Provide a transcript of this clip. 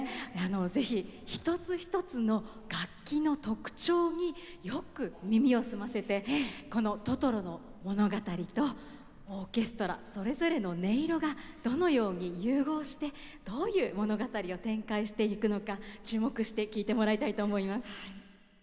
是非一つ一つの楽器の特長によく耳を澄ませてこの「トトロ」の物語とオーケストラそれぞれの音色がどのように融合してどういう物語を展開していくのか注目して聴いてもらいたいと思います。